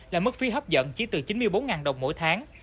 là mức phí hấp dẫn chỉ từ chín mươi bốn đồng mỗi tháng